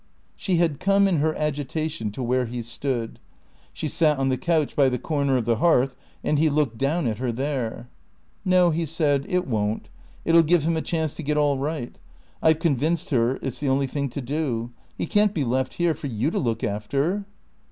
She had come, in her agitation, to where he stood. She sat on the couch by the corner of the hearth, and he looked down at her there. "No," he said, "it won't. It'll give him a chance to get all right. I've convinced her it's the only thing to do. He can't be left here for you to look after."